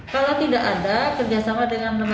kalau tidak ada kerjasama dengan pemerintah